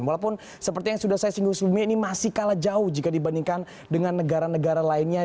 walaupun seperti yang sudah saya singgung sebelumnya ini masih kalah jauh jika dibandingkan dengan negara negara lainnya